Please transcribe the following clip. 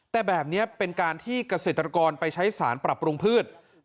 แต่แบบนี้เป็นการที่เกษตรกรไปใช้สารปรับปรุงพืช